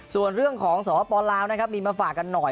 ส่วนเรื่องของสปลาวนะครับมีมาฝากกันหน่อย